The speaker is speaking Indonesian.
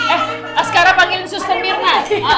eh askara panggilin suster mirna